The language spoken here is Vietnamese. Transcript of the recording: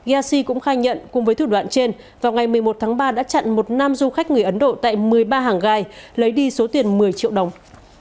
yassi cũng khai nhận cùng với thủ đoạn trên vào ngày một mươi một tháng ba đã chặn một nam du khách người ấn độ tại một mươi ba hàng gai lấy đi số tiền một mươi triệu đồng